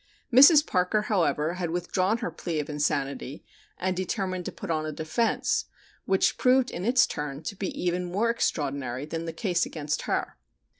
Mrs. Parker, however, had withdrawn her plea of insanity and determined to put in a defense, which proved in its turn to be even more extraordinary than the case against her.